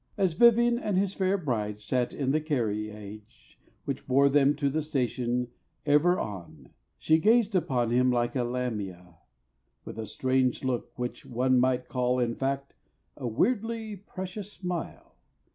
As Vivian And his fair bride sat in the car—ri—age Which bore them to the station, ever on She gazed upon him like a Lamia With a strange look, which one might call, in fact, A weirdly precious smile.